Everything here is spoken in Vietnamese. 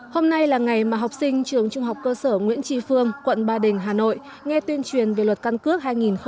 hôm nay là ngày mà học sinh trường trung học cơ sở nguyễn tri phương quận ba đình hà nội nghe tuyên truyền về luật căn cước hai nghìn hai mươi ba